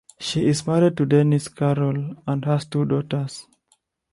She is married to Dennis Carroll and has two daughters.